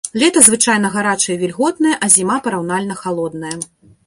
Лета звычайна гарачае і вільготнае, а зіма параўнальна халодная.